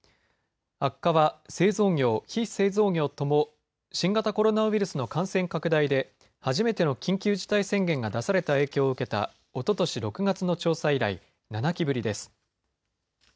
悪化は製造業・非製造業とも新型コロナウイルスの感染拡大で初めての緊急事態宣言が出された影響を受けたおととし６月の調査以来、７期ぶりです。